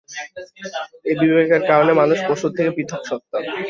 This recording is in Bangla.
এই বিবেকের কারণে মানুষ পশুর থেকে পৃথক সত্তা।